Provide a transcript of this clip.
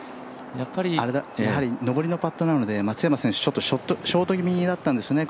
やはり上りのパットなので松山選手、ショート気味だったんですね。